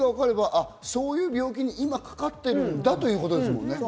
原因がわかれば、そういう病気に今かかってるんだということですもんね。